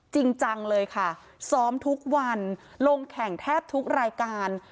จริงจังเลยค่ะซ้อมทุกวันลงแข่งแทบทุกรายการ